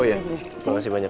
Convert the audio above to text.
oh iya makasih banyak ya